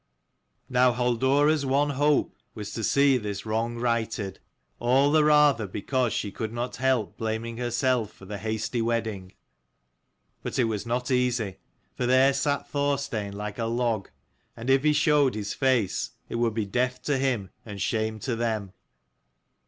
EE 233 Now Halldora's one hope was to see this wrong righted ; all the rather because she could not help blaming herself for the hasty wedding. But it was not easy. For there sat Thorstein like a log, and if he showed his face it would be death to him and shame to them.